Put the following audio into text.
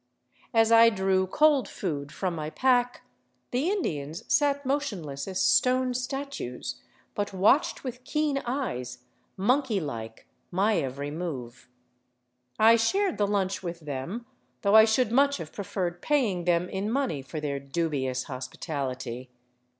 As I drew cold food from my pack, the Indians sat motionless as stone statues, but watched with keen eyes, monkey like, my every move. I shared the lunch with them, though I should much have preferred paying them in money for their dubious hospitality.